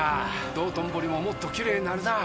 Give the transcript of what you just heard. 道頓堀ももっときれいになるなぁ。